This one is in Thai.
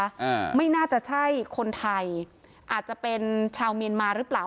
อ่าไม่น่าจะใช่คนไทยอาจจะเป็นชาวเมียนมาหรือเปล่า